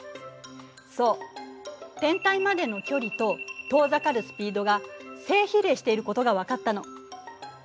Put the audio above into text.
そう天体までの距離と遠ざかるスピードが正比例していることが分かったの。